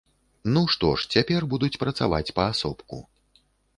Ну, што ж, цяпер будуць працаваць паасобку.